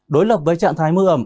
đối lập với trạng thái mưa ẩm